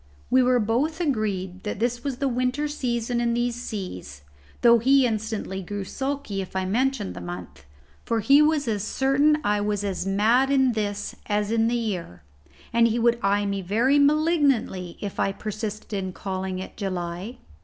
We were both agreed that this was the winter season in these seas, though he instantly grew sulky if I mentioned the month, for he was as certain I was as mad in this, as in the year, and he would eye me very malignantly if I persisted in calling it July.